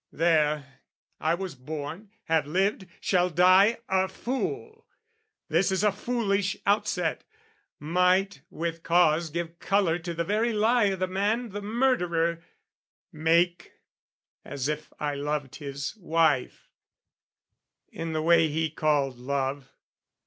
There, I was born, have lived, shall die, a fool! This is a foolish outset: might with cause Give colour to the very lie o' the man, The murderer, make as if I loved his wife, In the way he called love.